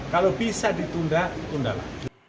kalau bisa ditunda ditunda lah